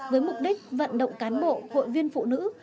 với mục đích vận động cán bộ hội viên phụ nữ